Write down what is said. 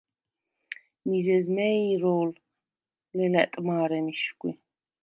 მიზეზ მა̈ჲ ირო̄ლ, ლელა̈ტ მა̄რე მიშგვი!